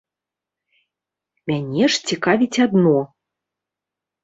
Мяне ж цікавіць адно.